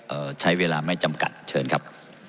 ใช้เวลาไม่จำกัดเชิญครับ